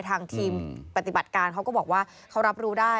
ทางทีมปฏิบัติการเขาก็บอกว่าเขารับรู้ได้